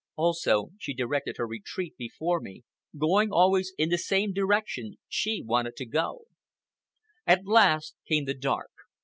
Also, she directed her retreat before me, going always in the direction she wanted to go. At last came the dark.